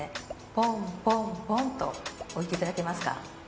ポンポンポンと置いていただけますか。